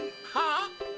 はあ？